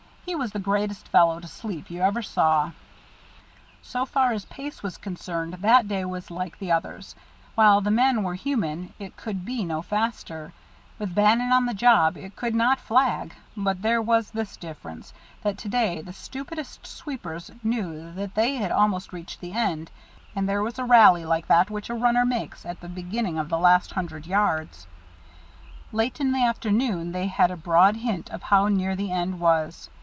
He was the greatest fellow to sleep you ever saw." So far as pace was concerned that day was like the others; while the men were human it could be no faster; with Bannon on the job it could not flag; but there was this difference, that to day the stupidest sweepers knew that they had almost reached the end, and there was a rally like that which a runner makes at the beginning of the last hundred yards. Late in the afternoon they had a broad hint of how near the end was.